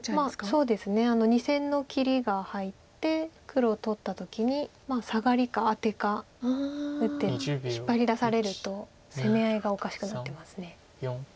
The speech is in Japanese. そうですね２線の切りが入って黒を取った時にサガリかアテか打って引っ張り出されると攻め合いがおかしくなってます。